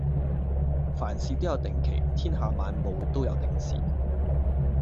凡事都有定期，天下萬務都有定時